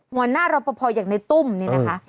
หัวหน้ารอปภอย่างในตุ้มนี่นะคะ